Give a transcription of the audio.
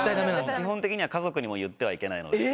基本的には家族にも言ってはいけないので。